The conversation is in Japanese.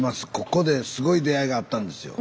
ここですごい出会いがあったんですよ。